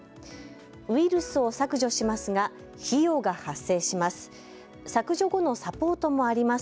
ウイルスを削除しますが費用が発生します。